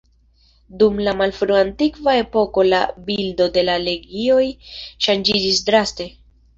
Dum la malfrua antikva epoko la bildo de la legioj ŝanĝiĝis draste.